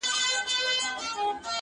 مرور نصیب به هله ورپخلا سي٫